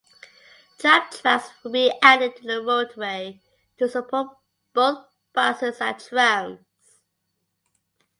Tram tracks will be added to the roadway to support both buses and trams.